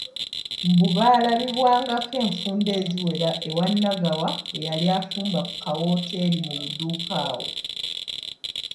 Mbu baalabibwangako enfunda eziwera ewa Nagawa eyali afumba ka wooteri mu buduuka awo.